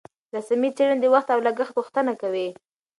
رسمي څېړنې د وخت او لګښت غوښتنه کوي.